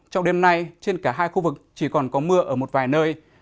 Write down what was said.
trong đêm nay trên cả hai khu vực chỉ còn có mưa ở một vài nơi